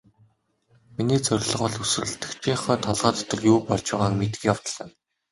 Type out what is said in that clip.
Миний зорилго бол өрсөлдөгчийнхөө толгой дотор юу болж байгааг мэдэх явдал юм.